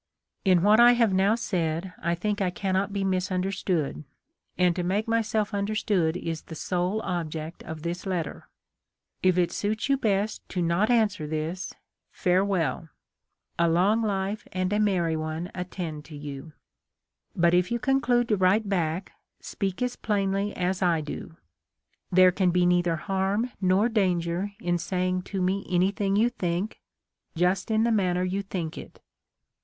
" In what I have now said, I think I cannot be misunderstood ; and to make myself understood is the sole object of this letter. " If it suits 3'ou best to not answer this — farewell — a long life and a merry one attend you. But if you conclude to write back, speak as plainly as I do. There can be neither harm nor danger in saying to me anything you think, just in the manner you think it.